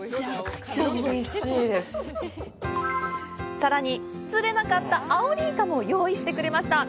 さらに、釣れなかったアオリイカも用意してくれました。